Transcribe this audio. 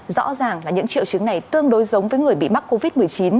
rõ ràng là những triệu chứng này tương đối giống với người bị mắc covid một mươi chín